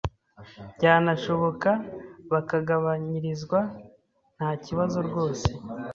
byanashoboka bakagabanyirizwa ntakibazo rwose.